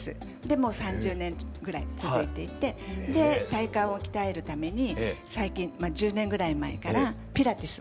でもう３０年ぐらい続いていてで体幹を鍛えるために最近１０年ぐらい前からピラティスも始めました。